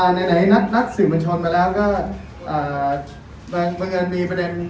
อะในไหนนัดสื่อบัญชญ์มาแล้วก็อ่ามนัดมีประเด็น